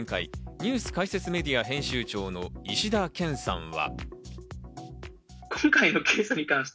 ニュース解説メディア編集長の石田健さんは。